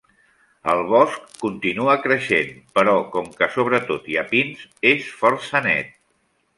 El bosc continua creixent, però com que sobretot hi ha pins, és força net.